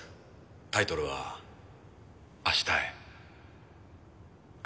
タイトルは『明日へ』。